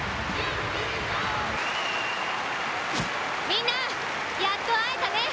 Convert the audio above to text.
みんな、やっと会えたね。